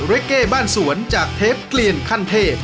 เก้บ้านสวนจากเทปเกลียนขั้นเทพ